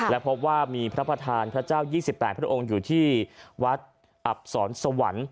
และพบว่ามีพระประธานพระเจ้า๒๘พระองค์อยู่ที่วัดอับศรสวรรค์